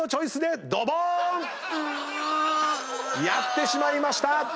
やってしまいました！